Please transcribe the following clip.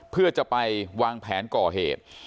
เพื่อจะไปวางแผนก่อเหตุ